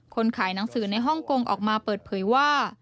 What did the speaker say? คนขายหนังสือในฮ่องกงออกมาเปิดเผยว่า